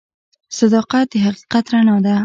صداقت د حقیقت رڼا ده.